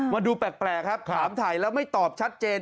ดูแปลกครับถามถ่ายแล้วไม่ตอบชัดเจน